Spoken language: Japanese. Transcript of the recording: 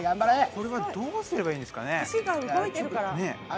これはどうすればいいんですかね？